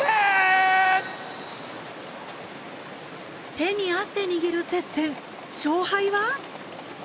手に汗握る接戦勝敗は？